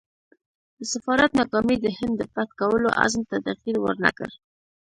د سفارت ناکامي د هند د فتح کولو عزم ته تغییر ورنه کړ.